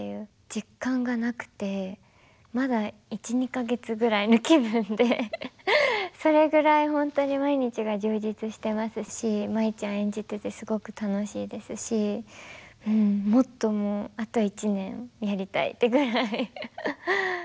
実感がなくてまだ１２か月ぐらいの気分でそれぐらい本当に毎日が充実してますし舞ちゃん演じててすごく楽しいですしもっとあと１年やりたいってぐらいハハハ。